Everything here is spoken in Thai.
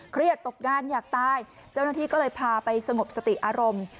ตกงานอยากตายเจ้าหน้าที่ก็เลยพาไปสงบสติอารมณ์